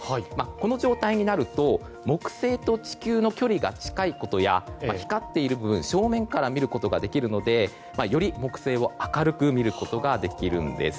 この状態になると木星と地球の距離が近いことや光っている部分を正面から見ることができるのでより木星を明るく見ることができるんです。